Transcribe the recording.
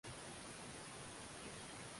malizika huko jijini kampala huku baadhi ya vigogo